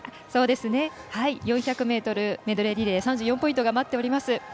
４００ｍメドレーリレー３４ポイントが待っております。